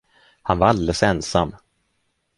Han var alldeles ensam.